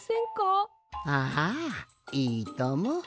ああいいとも。